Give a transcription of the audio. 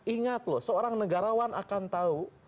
ingat loh seorang negarawan akan tahu